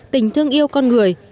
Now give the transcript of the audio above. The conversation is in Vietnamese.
tình thương yêu con người